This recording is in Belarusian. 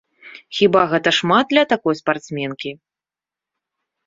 Хіба гэта шмат для такой спартсменкі?